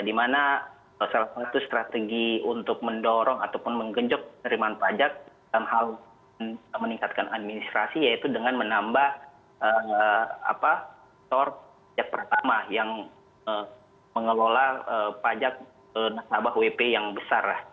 di mana salah satu strategi untuk mendorong ataupun menggenjok terima pajak adalah hal meningkatkan administrasi yaitu dengan menambah sorb pajak pertama yang mengelola pajak nasabah wp yang besar